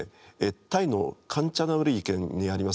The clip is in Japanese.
タイのカンチャナブリー県にあります